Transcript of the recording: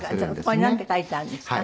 これなんて書いてあるんですか？